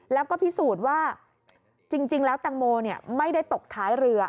แล้วก็พิสูจน์ว่าจริงแล้วแตงโมไม่ได้ตกท้ายเรือ